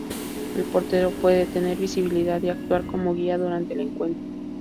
El portero puede tener visibilidad y actuar como guía durante el encuentro.